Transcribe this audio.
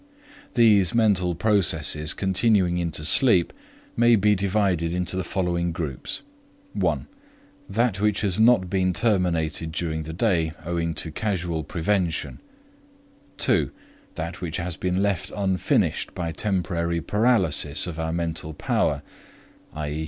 These mental processes continuing into sleep may be divided into the following groups: 1, That which has not been terminated during the day owing to casual prevention; 2, that which has been left unfinished by temporary paralysis of our mental power, _i.